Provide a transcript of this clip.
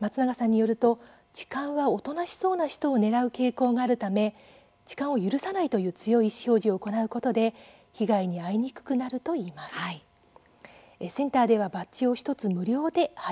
松永さんによると痴漢は、おとなしそうな人を狙う傾向があるため痴漢を許さないという強い意思表示を行うことで被害に遭いにくくなるといいます。